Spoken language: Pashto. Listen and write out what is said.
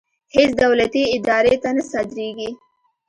هېڅ دولتي ادارې ته نه صادرېږي.